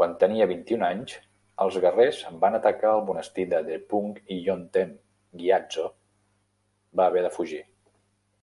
Quan tenia vint-i-un anys, els guerrers van atacar el monestir de Drepung i Yonten Gyatso va haver de fugir.